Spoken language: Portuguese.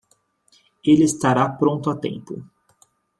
Ele estará pronto a tempo.